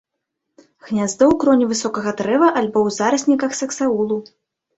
Гняздо ў кроне высокага дрэва альбо ў зарасніках саксаулу.